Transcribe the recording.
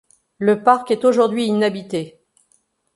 Le parc est aujourd'hui inhabité.